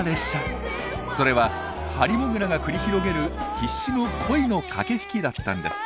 それはハリモグラが繰り広げる必死の恋の駆け引きだったんです。